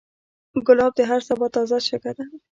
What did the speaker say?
ګلاب د هر سبا تازه شګه ده.